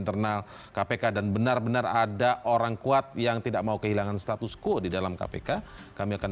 internal kpk dan benar benar ada orang kuat yang tidak mau kehilangan status quo di dalam kpk kami akan